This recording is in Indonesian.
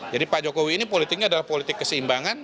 jadi pak jokowi ini politiknya adalah politik keseimbangan